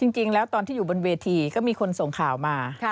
จริงแล้วตอนที่อยู่บนเวทีก็มีคนส่งข่าวมา